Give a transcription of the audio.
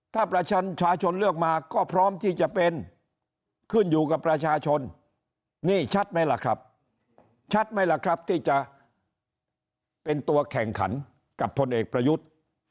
ถ้าประชาชนเลือกมาก็พร้อมที่จะเป็นขึ้นอยู่กับประชาชนนี่ชัดไหมล่ะครับชัดไหมล่ะครับที่จะเป็นตัวแข่งขันกับพลเอกประยุทธ์